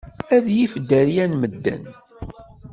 Ad yif dderya n medden.